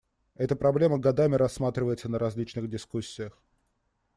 Эта проблема годами рассматривается на различных дискуссиях.